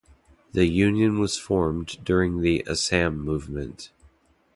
The union was formed during the Assam movement.